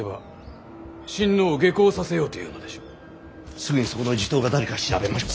すぐにそこの地頭が誰か調べましょう。